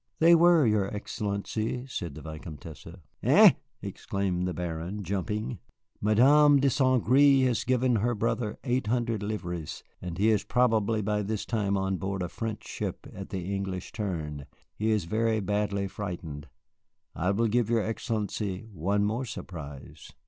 "They were, your Excellency," said the Vicomtesse. "Eh?" exclaimed the Baron, jumping. "Mademoiselle de St. Gré has given her brother eight hundred livres, and he is probably by this time on board a French ship at the English Turn. He is very badly frightened. I will give your Excellency one more surprise."